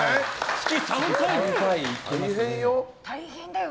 月３回は大変よ。